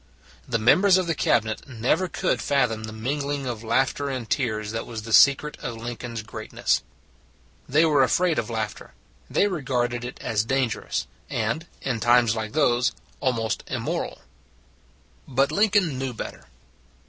The members of the Cabinet never could fathom the mingling of laughter and tears that was the secret of Lincoln s greatness. They were afraid of laughter: they re garded it as dangerous and in times like those almost immoral. 200 It s a Good Old World But Lincoln knew better.